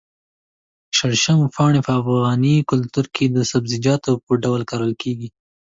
شړشمو پاڼې په افغاني کلتور کې د سبزيجاتو په ډول کرل کېږي.